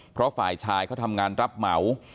เพราะฝ่ายชายเขาทำงานรับเหมา